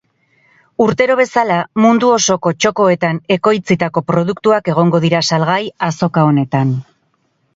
Urtero bezala, mundu osoko txokoetan ekoitzitako produktuak egongo dira salgai azoka honetan.